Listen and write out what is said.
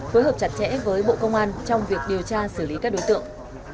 phối hợp chặt chẽ với bộ công an trong việc điều tra xử lý các đối tượng